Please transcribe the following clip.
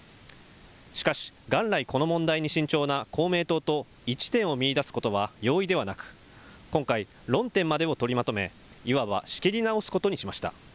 しかし元来、この問題に慎重な公明党と一致点を見いだすことは容易ではなく今回、論点までを取りまとめいわば仕切り直すことにしました。